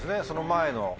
その前の。